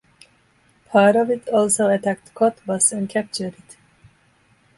Part of it also attacked Cottbus and captured it.